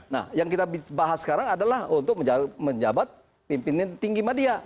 nah yang kita bahas sekarang adalah untuk menjabat pimpinan tinggi media